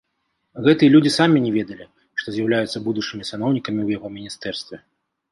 Гэтыя людзі самі не ведалі, што з'яўляюцца будучымі саноўнікамі ў яго міністэрстве.